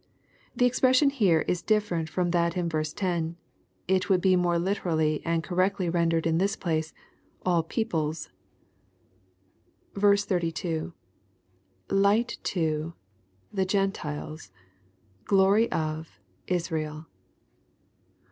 ] The expression here is diflferent from that in verse 10. It would be more literally and correctly rendered in this place " all peoples." 32. — [Light to,„ihe Oentiles,„glory of ...Israel.